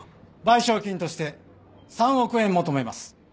賠償金として３億円求めます。